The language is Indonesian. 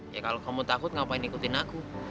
ya kalau kamu takut ngapain ikutin aku